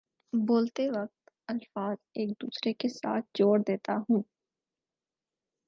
بولتے وقت الفاظ ایک دوسرے کے ساتھ جوڑ دیتا ہوں